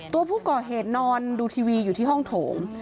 ตัวผู้ก่อเหตุนอนดูทีวีอยู่ที่ห้องโถง